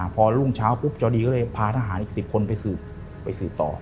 พอรุ่งเช้าปุ๊บเจ้าดีก็เลยพาทหารอีก๑๐คนไปสืบต่อ